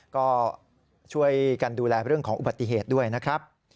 ก็ช่วยกันดูแลเรื่องของอุบัติเหตุด้วยนะครับ